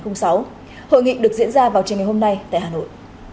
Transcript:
hội nghị được diễn ra vào trường ngày hôm nay tại hà nội